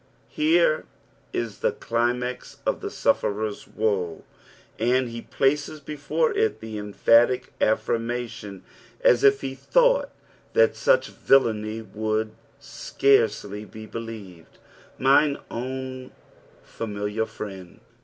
Here is the climax of the sufferer's woe, and he places before it the emphatic affirmation, as if he thought that such viilany would scarcely be believed. "Mine own familiar friend."